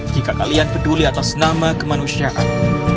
jika kalian peduli atas nama kemanusiaan